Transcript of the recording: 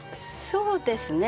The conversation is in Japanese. そうですね。